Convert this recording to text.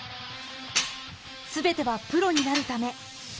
全てはプロになるため。